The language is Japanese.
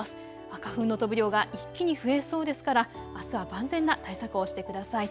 花粉の飛ぶ量が一気に増えそうですからあすは万全な対策をしてください。